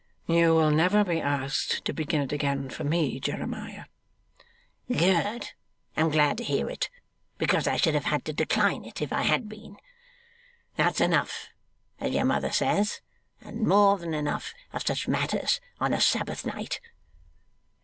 'You will never be asked to begin it again for me, Jeremiah.' 'Good. I'm glad to hear it; because I should have had to decline it, if I had been. That's enough as your mother says and more than enough of such matters on a Sabbath night.